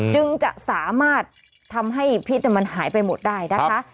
จึงจะสามารถทำให้พิษมันหายไปหมดได้นะคะ